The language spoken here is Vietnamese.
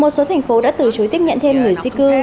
một số thành phố đã từ chối tiếp nhận thêm người di cư